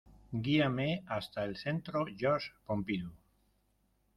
¡Guíame hasta el centro George Pompidou!